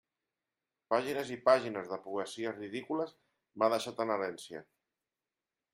Pàgines i pàgines de poesies ridícules m'ha deixat en herència!